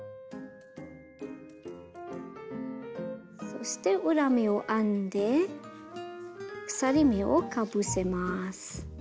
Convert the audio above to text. そして裏目を編んで鎖目をかぶせます。